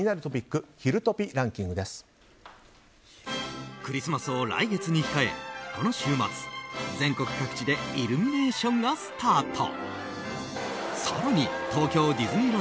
クリスマスを来月に控えこの週末、全国各地でイルミネーションがスタート。